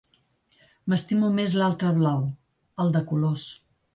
M'estimo més l'altre blau, el de colors.